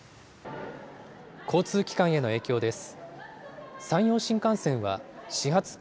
交通機関への影響です。